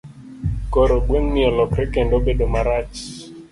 Koro, gweng' ni olokore kendo bedo marach.